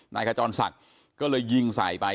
ขจรศักดิ์ก็เลยยิงใส่ไป